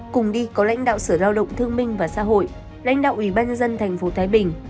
cùng đi có lãnh đạo sở lao động thương minh và xã hội lãnh đạo ủy ban nhân dân tp thái bình